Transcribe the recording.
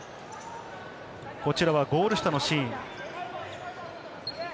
こちらはゴール下のシーン。